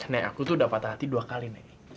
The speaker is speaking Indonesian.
nek aku tuh udah patah hati dua kali nek